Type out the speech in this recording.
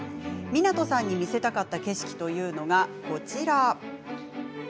湊さんに見せたかった景色というのが、こちら。